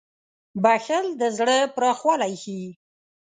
• بښل د زړه پراخوالی ښيي.